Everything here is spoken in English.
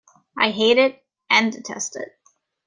I hate it and detest it.